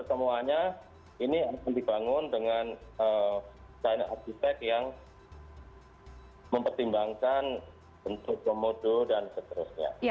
semuanya ini akan dibangun dengan china arsitek yang mempertimbangkan bentuk komodo dan seterusnya